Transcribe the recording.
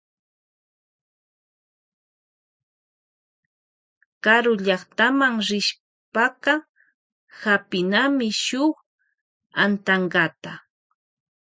Karullaktama rishpaka hapinami shuk antankata.